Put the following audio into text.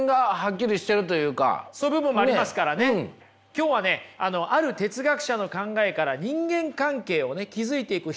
今日はねある哲学者の考えから人間関係を築いていくヒント